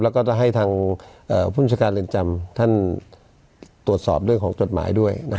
แล้วก็จะให้ทางผู้บัญชาการเรือนจำท่านตรวจสอบเรื่องของจดหมายด้วย